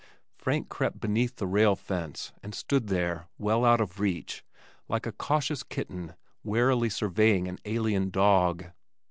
Frank crept beneath the rail fence and stood there, well out of reach, like a cautious kitten warily surveying an alien dog.